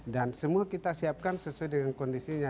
dan semua kita siapkan sesuai dengan kondisinya